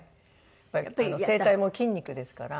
声帯も筋肉ですから。